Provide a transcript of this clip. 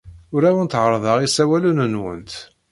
Ur awent-ɛerrḍeɣ isawalen-nwent.